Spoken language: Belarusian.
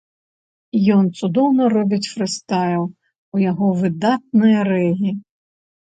Ён цудоўна робіць фрыстайл, у яго выдатнае рэгі.